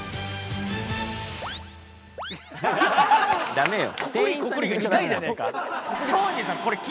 ダメよ。